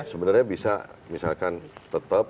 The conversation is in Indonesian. sebenarnya bisa misalkan tetap